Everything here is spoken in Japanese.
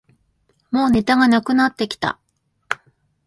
もうネタがなくなってきた